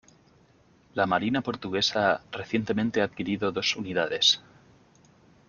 La Marina portuguesa recientemente ha adquirido dos unidades.